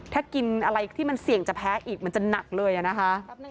ถ้ากินอะไรที่มันเสี่ยงจะแพ้อีกมันจะหนักเลยอะนะคะ